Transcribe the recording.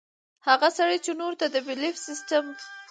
هغه سړے چې نورو ته د بيليف سسټم